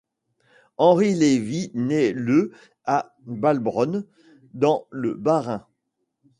Henri Lévy naît le à Balbronn dans le Bas-Rhin.